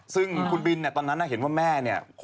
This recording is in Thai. ซึ่งคุณบินตอนนั้นเห็นว่าแม่